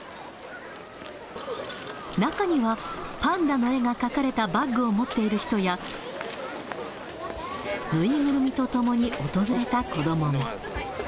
中には、パンダの絵が描かれたバッグを持っている人や、縫いぐるみとともに訪れた子どもも。